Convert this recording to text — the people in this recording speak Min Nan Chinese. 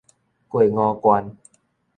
過五關